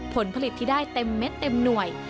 ผลผลิตที่ได้เต็มเม็ดเต็มหน่วย